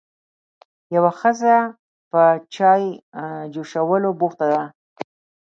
یوه ښځه په چای جوشولو بوخته وه.